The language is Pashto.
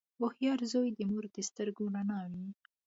• هوښیار زوی د مور د سترګو رڼا وي.